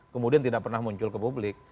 kemudian tidak pernah muncul ke publik